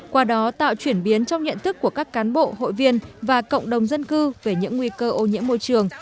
qua đó tạo chuyển biến trong nhận thức của các cán bộ hội viên và cộng đồng dân cư về những nguy cơ ô nhiễm môi trường